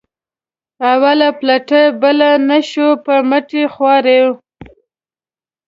اوله پلته یې بله نه شوه په مټې خوارۍ.